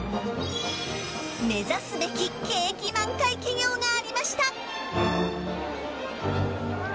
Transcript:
目指すべき景気満開企業がありました。